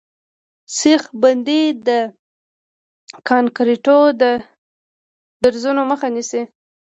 سیخ بندي د کانکریټو د درزونو مخه نیسي